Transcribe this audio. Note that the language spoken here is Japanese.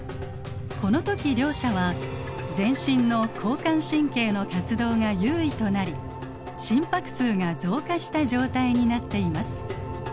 このとき両者は全身の交感神経の活動が優位となり心拍数が増加した状態になっています。